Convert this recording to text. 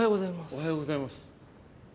おはようございます。